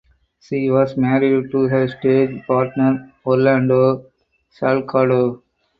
She was married to her stage partner Orlando Salgado.